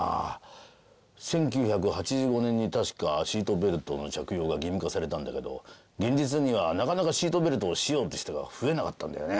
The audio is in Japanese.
１９８５年に確かシートベルトの着用が義務化されたんだけど現実にはなかなかシートベルトをしようって人が増えなかったんだよね。